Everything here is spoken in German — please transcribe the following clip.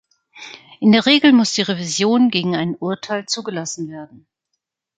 In der Regel muss die Revision gegen ein Urteil zugelassen werden.